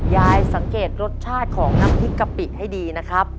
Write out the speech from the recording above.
ยายสังเกตรสชาติของน้ำพริกกะปิให้ดีนะครับ